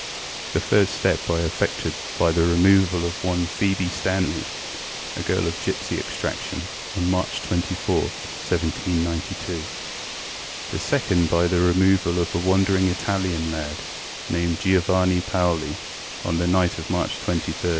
The first step I effected by the removal of one Phoebe Stanley, a girl of gipsy extraction, on March 24, 1792. The second, by the removal of a wandering Italian lad, named Giovanni Paoli, on the night of March 23, 1805.